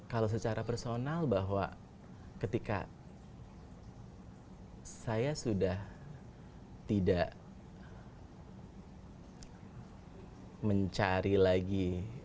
kalau secara personal bahwa ketika saya sudah tidak mencari lagi